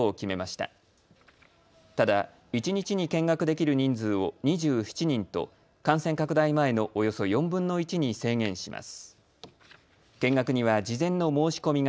ただ一日に見学できる人数を２７人と感染拡大前のおよそ４分の１に制限します。